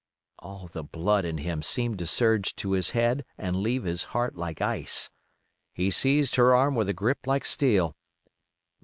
All the blood in him seemed to surge to his head and leave his heart like ice. He seized her arm with a grip like steel.